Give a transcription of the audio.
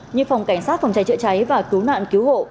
như phòng cảnh sát phòng chai trợ cháy và cứu nạn cứu hộ